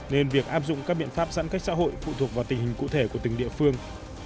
nên việc áp dụng các biện pháp giãn cách xã hội phụ thuộc vào tình hình cụ thể của từng địa phương